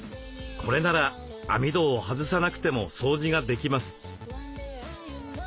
これなら網戸を外さなくても掃除ができます。